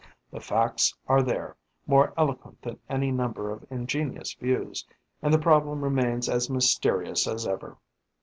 The facts are there, more eloquent than any number of ingenious views; and the problem remains as mysterious as ever.